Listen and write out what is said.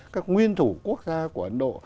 các nguyên thủ quốc gia của ấn độ